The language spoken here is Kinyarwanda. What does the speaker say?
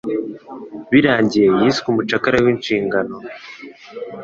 Birangiye yiswe Umucakara w'inshingano?